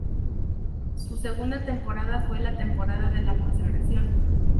Su segunda temporada fue la temporada de la consagración.